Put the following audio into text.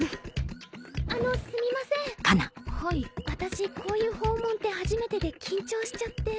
私こういう訪問って初めてで緊張しちゃって。